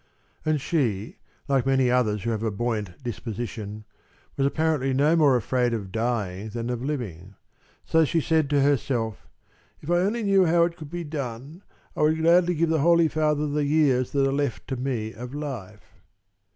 And she, like many others who have a buoyant disposition, was apparently no more afraid of dying than of living; so she said to herself: "If I only knew how it could be done, I would gladly give the Holy Father the years that are left to me of life."